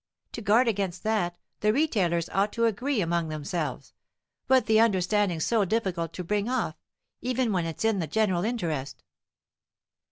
To guard against that, the retailers ought to agree among themselves, but the understanding's so difficult to bring off, even when it's in the general interest."